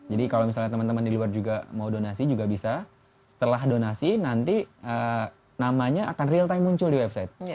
jadi kalau misalnya teman teman di luar juga mau donasi juga bisa setelah donasi nanti namanya akan real time muncul di website